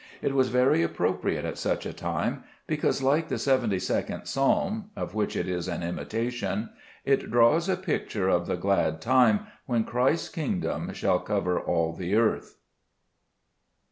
It was very appropriate at such a time, because like the 72d Psalm (of which it is an imitation) it draws a picture of the glad time when Christ's kingdom shall cover all the earth.